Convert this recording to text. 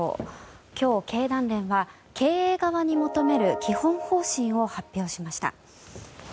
今日、経団連は経営側に求める基本方針を発表しました。